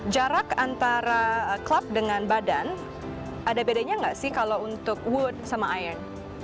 jarak antara klub dengan badan ada bedanya nggak sih kalau untuk wood sama iron